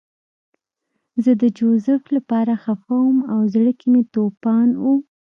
زه د جوزف لپاره خپه وم او زړه کې مې توپان و